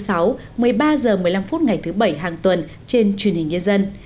một mươi ba h một mươi năm phút ngày thứ bảy hàng tuần trên truyền hình nhân dân